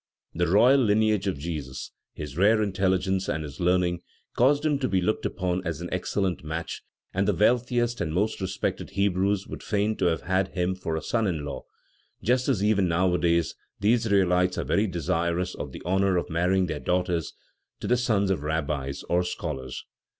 The royal lineage of Jesus, his rare intelligence and his learning, caused him to be looked upon as an excellent match, and the wealthiest and most respected Hebrews would fain have had him for a son in law, just as even nowadays the Israelites are very desirous of the honor of marrying their daughters to the sons of Rabbis or scholars.